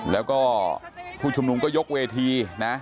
แล้วก็ผู้ชุมนุมก็ยกเวทีนะ